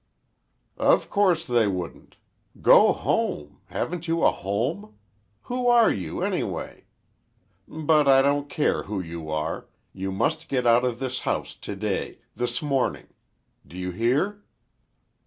"Of course they wouldn't! Go home! Haven't you a home? Who are you, anyway? But I don't care who you are—you must get out of this house today—this morning. Do you hear?"